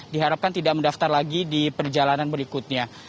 diharapkan tidak mendaftar lagi di perjalanan berikutnya